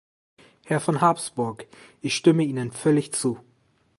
Herr von Habsburg, ich stimme Ihnen völlig zu.